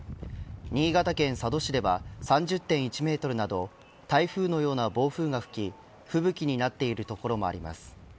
新潟県佐渡市では３０．１メートルなど台風のような暴風が吹き吹雪になっている所もあります。